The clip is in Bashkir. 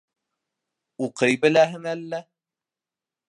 Уҡый беләһең әллә?